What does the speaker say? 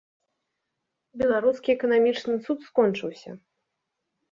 Беларускі эканамічны цуд скончыўся.